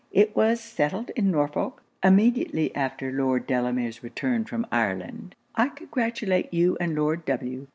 It was settled in Norfolk, immediately after Lord Delamere's return from Ireland. I congratulate you and Lord W.